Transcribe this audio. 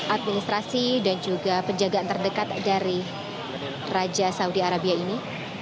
administrasi dan juga penjagaan terdekat dari raja saudi arabia ini